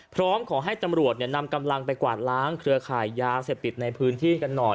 พร้อมขอให้ตำรวจนำกำลังไปกวาดล้างเครือข่ายยาเสพติดในพื้นที่กันหน่อย